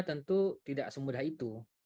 tentu tidak semudah itu